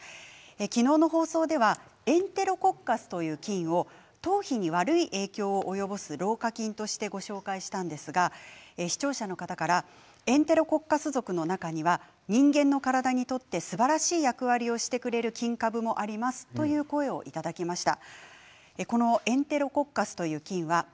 昨日の放送ではエンテロコッカスという菌を頭皮に悪い影響を及ぼす老化菌として紹介したんですが視聴者の方からエンテロコッカス属の中には人間の体にとってすばらしい役割を果たしてくれる菌株もありますという声をいただきました。